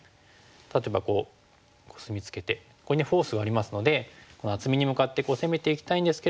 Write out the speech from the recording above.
例えばコスミツケてここにフォースがありますのでこの厚みに向かって攻めていきたいんですけれども。